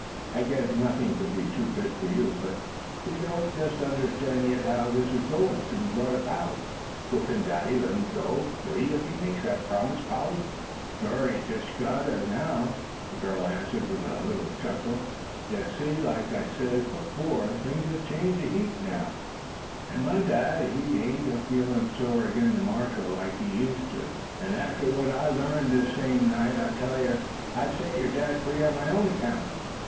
"I guess nothing could be too good for you. But we don't just understand yet how this is going to be brought about. Will Phin Dady let him go free if he makes that promise, Polly?" "Shore, he's jest got ter, now," the girl answered, with a little chuckle. "Yer see, like I sez afore, things, have changed a heap now, an' my dad, he hain't a feelin' thet sore agin ther marshal like he used ter. An' Bob Quail, even ef he warn't gwine ter do hit, arter wat I larned this same night, I tells yer I'd set yer dad free on my own 'count."